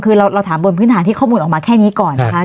คือเราถามบนพื้นฐานที่ข้อมูลออกมาแค่นี้ก่อนนะคะ